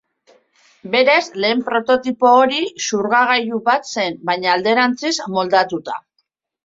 Berez, lehen prototipo hori xurgagailu bat zen baina alderantziz moldatuta.